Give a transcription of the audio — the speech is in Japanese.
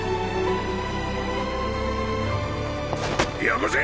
よこせ！